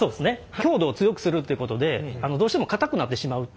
強度を強くするってことでどうしても硬くなってしまうっていう。